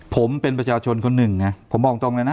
ผมเป็นประเจ้าชนคนหนึ่งผมบอกตรงนั้นนะ